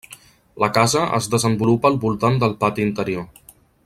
La casa es desenvolupa al voltant del pati interior.